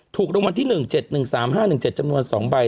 ถูกรางวัลที่๑๗๑๓๕๑๗จำนวน๒ใบ